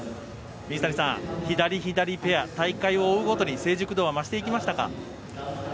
水谷さん、左左ペア大会を追うごとに成熟度は増していきましたか？